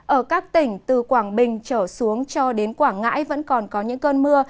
ở các tỉnh từ quảng bình trở xuống cho đến quảng ngãi vẫn còn có những cơn mưa